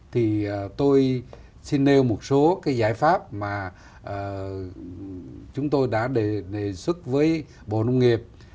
thì tôi xin nêu một số cái giải pháp mà chúng tôi đã đề xuất với bộ nông nghiệp